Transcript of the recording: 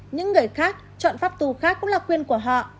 những người khác chọn pháp tù khác cũng là quyền của họ